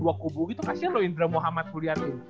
dua kubu gitu kasian loh indra muhammad kulian